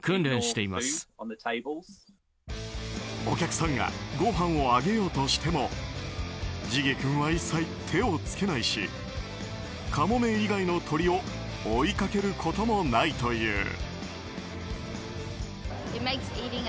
お客さんがごはんをあげようとしてもジギー君は一切、手を付けないしカモメ以外の鳥を追いかけることもないという。